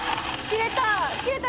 切れた。